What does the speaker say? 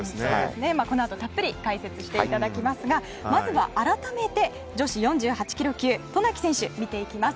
このあと、たっぷり解説していただきますがまずは改めて女子４８ｋｇ級渡名喜選手を見ていきます。